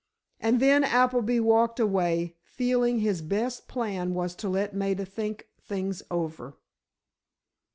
And then Appleby walked away, feeling his best plan was to let Maida think things over.